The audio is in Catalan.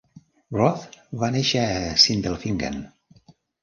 Roth va néixer a Sindelfingen.